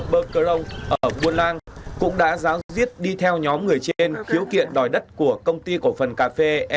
một ngôi nhà ở công nhân và một tròi gác của công ty cổ phần cà phê